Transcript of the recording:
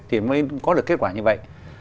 thì mới có được kết quả như vậy